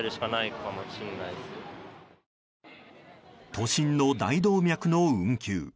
都心の大動脈の運休。